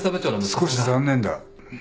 少し残念だ。